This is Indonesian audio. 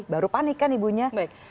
baru panik kan ibunya